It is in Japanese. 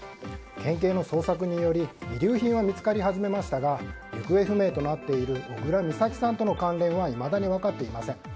県警の捜索により遺留品は見つかり始めましたが行方不明となっている小倉美咲さんとの関連はいまだに分かっていません。